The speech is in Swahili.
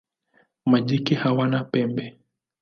Majike hawana pembe.